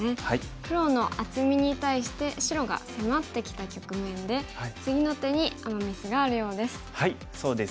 黒の厚みに対して白が迫ってきた局面で次の手にアマ・ミスがあるようです。